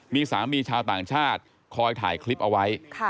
มีสามีชาวต่างชาติคอยถ่ายคลิปเอาไว้